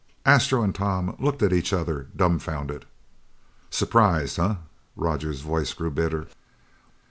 Astro and Tom looked at each other dumfounded. "Surprised, huh?" Roger's voice grew bitter.